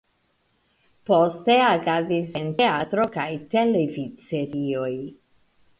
Poste agadis en teatro kaj televidserioj.